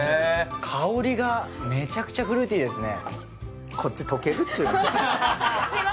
香りがめちゃくちゃフルーティーですね。